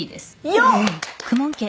よっ！